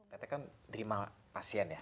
tete kan terima pasien ya